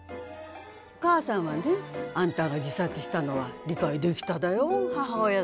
お母さんはねあんたが自殺したのは理解できただよ母親だで。